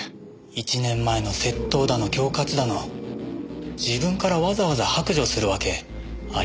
１年前の窃盗だの恐喝だの自分からわざわざ白状するわけありませんものね。